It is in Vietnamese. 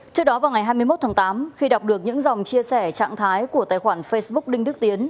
trước đó vào ngày hai mươi một tháng tám khi đọc được những dòng chia sẻ trạng thái của tài khoản facebook đinh đức tiến